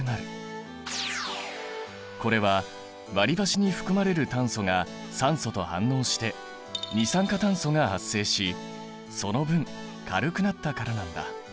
これは割りばしに含まれる炭素が酸素と反応して二酸化炭素が発生しその分軽くなったからなんだ。